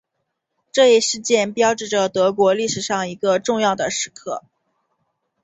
这一事件标志着德国历史上一个重要的时刻。